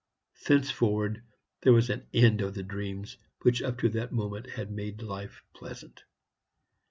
"Thenceforward there was an end of the dreams which up to that moment had made life pleasant.